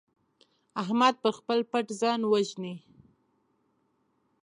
احمد پر خپل پت ځان وژني.